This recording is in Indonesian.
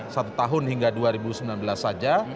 satu tahun hingga dua ribu sembilan belas saja